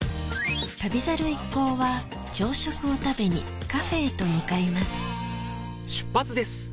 旅猿一行は朝食を食べにカフェへと向かいます